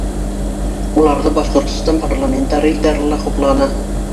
Уларҙы Башҡортостан парламентарийҙары ла хупланы.